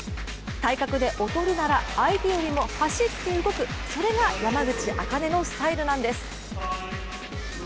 体格で劣るなら、相手よりも走って動くそれが山口茜のスタイルなんです。